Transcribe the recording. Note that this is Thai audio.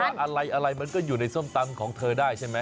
อะไรมันก็อยู่ในส้มตำของเธอได้ใช่ไหม